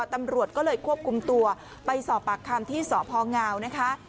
ตำรวจก็เลยควบคุมตัวไปสอบปากคำที่สพงนะคะ